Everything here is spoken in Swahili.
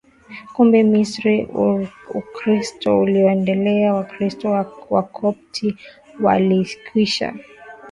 Kumbe Misri Ukristo uliendelea Wakristo Wakopti walikwisha